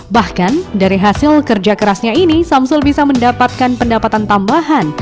bahkan dari hasil kerja kerasnya ini samsul bisa mendapatkan pendapatan tambahan